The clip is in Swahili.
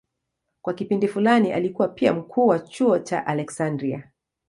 Kwa kipindi fulani alikuwa pia mkuu wa chuo cha Aleksandria.